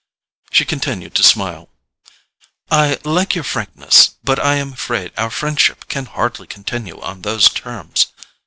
She continued to smile. "I like your frankness; but I am afraid our friendship can hardly continue on those terms."